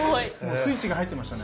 スイッチが入ってましたね。